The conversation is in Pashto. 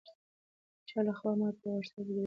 د چا لخوا ماته په واټساپ کې د روژې دعاګانې راغلې.